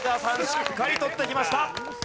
しっかり取ってきました。